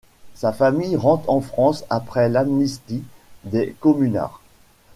Sa famille rentre en France après l’amnistie des communards.